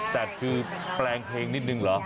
แต่คือแปลงเพลงนิดนึงเหรอ